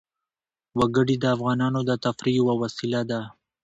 وګړي د افغانانو د تفریح یوه وسیله ده.